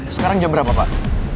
sekarang jam berapa pak